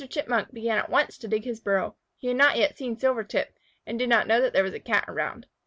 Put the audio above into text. Chipmunk began at once to dig his burrow. He had not seen Silvertip yet, and did not know that there was a Cat around.